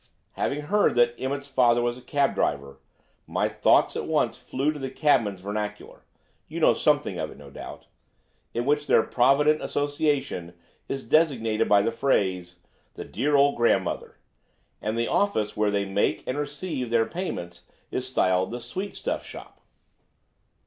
Having heard that Emmett's father was a cab driver, my thoughts at once flew to the cabman's vernacular–you know something of it, no doubt–in which their provident association is designated by the phase, 'the dear old grandmother,' and the office where they make and receive their payments is styled 'the sweet stuff shop.'"